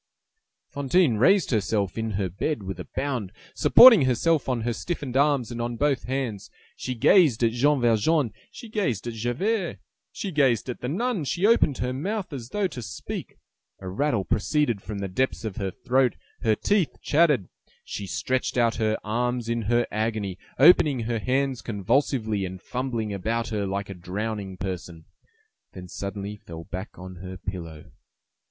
Fantine raised herself in bed with a bound, supporting herself on her stiffened arms and on both hands: she gazed at Jean Valjean, she gazed at Javert, she gazed at the nun, she opened her mouth as though to speak; a rattle proceeded from the depths of her throat, her teeth chattered; she stretched out her arms in her agony, opening her hands convulsively, and fumbling about her like a drowning person; then suddenly fell back on her pillow.